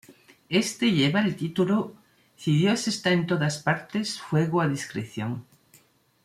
Éste lleva el título "Si Dios está en todas partes... fuego a discreción!!!